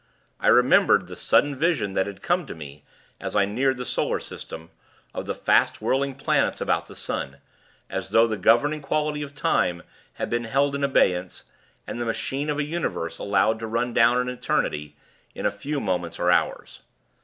I remembered the sudden vision that had come to me, as I neared the Solar System, of the fast whirling planets about the sun as though the governing quality of time had been held in abeyance, and the Machine of a Universe allowed to run down an eternity, in a few moments or hours.